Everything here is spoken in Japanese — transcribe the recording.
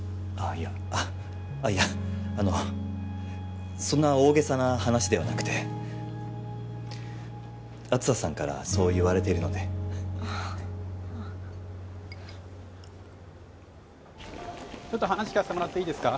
いやいやあのそんな大げさな話ではなくて梓さんからそう言われているのであっちょっと話聞かせてもらっていいですか？